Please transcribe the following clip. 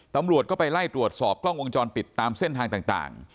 ตำรวจก็ไปไล่ตรวจสอบกล้องวงจรปิดตามเส้นทางต่าง